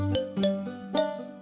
biar tidak ketakutan seperti ini